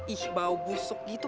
ih bau busuk gitu